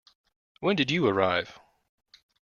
When did you arrive?